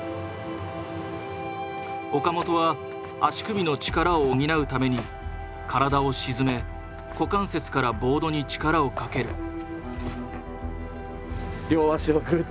岡本は足首の力を補うために体を沈め股関節からボードに力をかける。